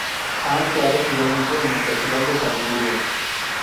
Ha actuado igualmente en el Festival de Salzburgo.